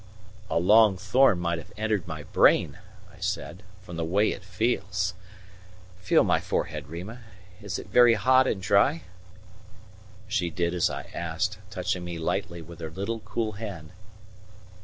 "A long thorn might have entered my brain," I said, "from the way it pains. Feel my forehead, Rima; is it very hot and dry?" She did as I asked, touching me lightly with her little cool hand.